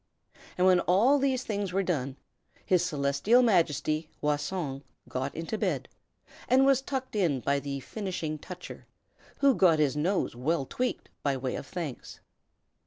And when all these things were done, his Celestial Majesty Wah Song got into bed, and was tucked in by the Finishing Toucher, who got his nose well tweaked by way of thanks.